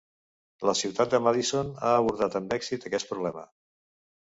La ciutat de Madison ha abordat amb èxit aquest problema.